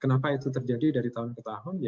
kenapa itu terjadi dari tahun ke tahun